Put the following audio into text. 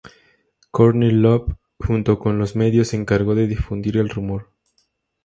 Courtney Love, junto con los medios, se encargó de difundir el rumor.